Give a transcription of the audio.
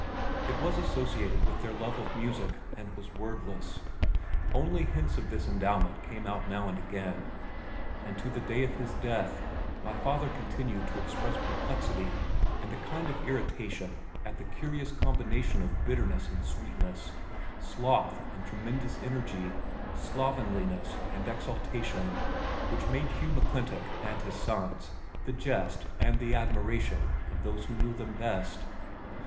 It was associated with their love of music and was wordless. Only hints of this endowment came out now and again, and to the day of his death my father continued to express perplexity, and a kind of irritation at the curious combination of bitterness and sweetness, sloth and tremendous energy, slovenliness and exaltation which made Hugh McClintock and his sons the jest and the admiration of those who knew them best.